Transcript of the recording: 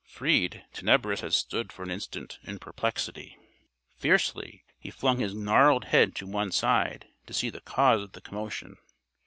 Freed, Tenebris had stood for an instant in perplexity. Fiercely he flung his gnarled head to one side to see the cause of the commotion.